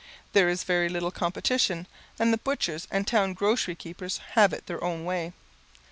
There is very little competition, and the butchers and town grocery keepers have it their own way.